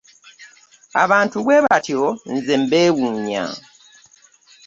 Abantu bwe batyo nze mbeewuunya.